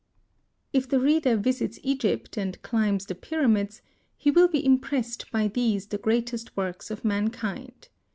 ] If the reader visits Egypt and climbs the pyramids, he will be impressed by these the greatest works of mankind.